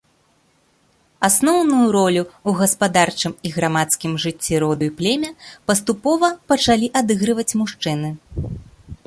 Асноўную ролю ў гаспадарчым і грамадскім жыцці роду і племя паступова пачалі адыгрываць мужчыны.